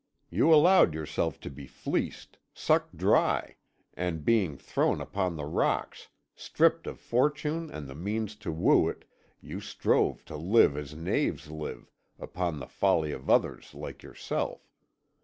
You allowed yourself to be fleeced, sucked dry, and being thrown upon the rocks, stripped of fortune and the means to woo it, you strove to live as knaves live, upon the folly of others like yourself.